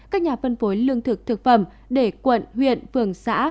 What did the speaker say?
các nhà phân phối lương thực thực phẩm để quận huyện phường xã